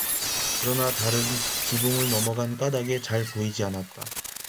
그러나 달은 지붕을 넘어간 까닭에 잘 보이지 않았다.